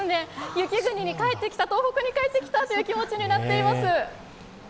雪国に帰ってきた東北に帰ってきたという気持ちになっています。